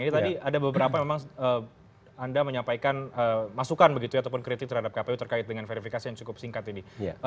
jadi tadi ada beberapa yang memang anda menyampaikan masukan begitu ataupun kritik terhadap kpu terkait dengan verifikasi yang cukup singkat ini